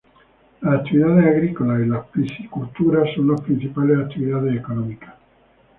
Las actividades agrícolas y la piscicultura son las principales actividades económicas.